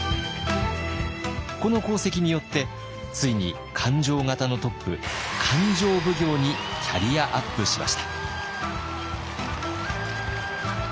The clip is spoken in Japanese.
この功績によってついに勘定方のトップ勘定奉行にキャリアアップしました。